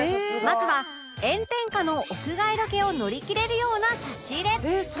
まずは炎天下の屋外ロケを乗りきれるような差し入れ